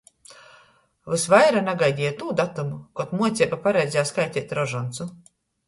Vysvaira nagaideju tū datumu, kod muoceiba paredzēja skaiteit rožoncu.